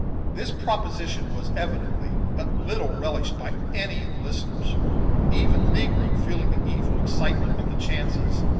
This proposition was evidently but little relished by any of the listeners, even the negro feeling the evil excitement of the chances.